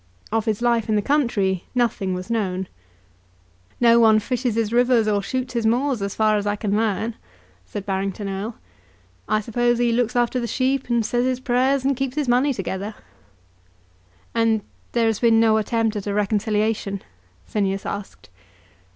Of his life in the country nothing was known. "No one fishes his rivers, or shoots his moors, as far as I can learn," said Barrington Erle. "I suppose he looks after the sheep and says his prayers, and keeps his money together." "And there has been no attempt at a reconciliation?" Phineas asked.